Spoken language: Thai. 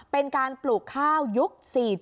เป็นการปลูกข้าวยุค๔๗